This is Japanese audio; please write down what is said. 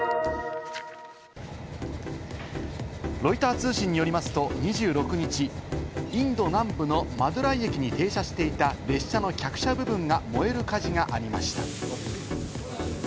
ロイター通信によりますと２６日、インド南部のマドゥライ駅に停車していた列車の客車部分が燃える火事がありました。